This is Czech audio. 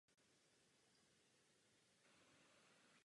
Master vždy řídí celou komunikaci a klient pouze odpovídá na požadavky.